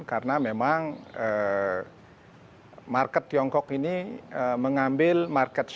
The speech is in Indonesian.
karena memang market tiongkok ini mengambil market share